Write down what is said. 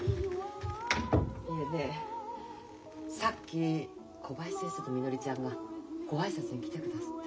いえねさっき小林先生とみのりちゃんがご挨拶に来てくだすって。